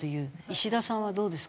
石田さんはどうですか？